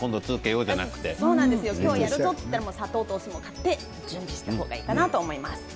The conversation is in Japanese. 今日はやるぞと言ったら砂糖とお酢を買って準備していただきたいと思います。